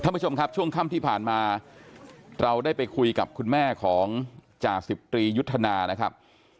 ท่านผู้ชมครับช่วงค่ำที่ผ่านมาเราได้ไปคุยกับคุณแม่ของจ่าสิบตรียุทธนานะครับ